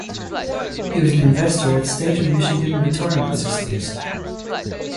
He was an investor at State of Michigan Retirement Systems.